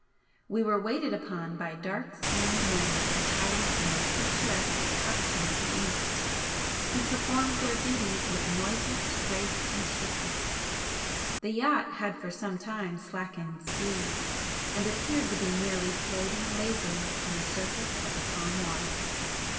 We were waited upon by dark skinned men attired in the picturesque costume of the East, who performed their duties with noiseless grace and swiftness. The yacht had for some time slackened speed, and appeared to be merely floating lazily on the surface of the calm water.